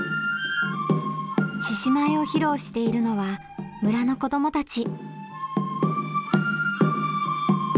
獅子舞を披露しているのは村の子どもたち。